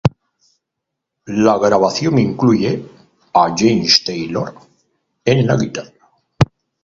La grabación incluye a James Taylor en la guitarra.